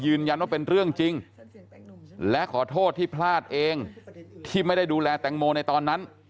เป็นเรื่องจริงและขอโทษที่พลาดเองที่ไม่ได้ดูแลแตงโมในตอนนั้น